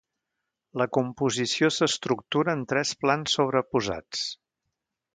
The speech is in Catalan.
La composició s'estructura en tres plans sobreposats.